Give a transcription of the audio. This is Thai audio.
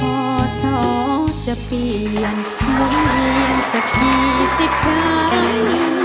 พ่อซ้อจะเปลี่ยนโรงเรียนสัก๒๐ครั้ง